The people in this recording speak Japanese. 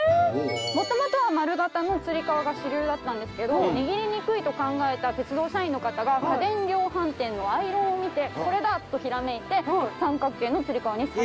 もともとは丸形のつり革が主流だったんですけど握りにくいと考えた鉄道社員の方が家電量販店のアイロンを見てこれだ！とひらめいて三角形のつり革に採用したそうです。